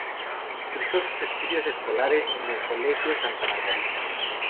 Cursó sus estudios escolares en el Colegio Santa Margarita.